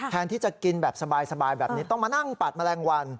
แทนที่จะกินแบบสบายแบบนี้ต้องมานั่งปัดแมลงวัน